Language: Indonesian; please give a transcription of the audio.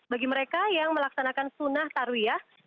bagi mereka yang melaksanakan sunnah tarwiyah